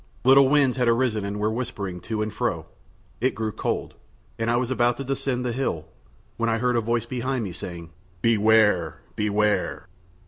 Little winds had arisen and were whispering to and fro, it grew cold, and I was about to descend the hill, when I heard a voice behind me saying, "Beware, beware."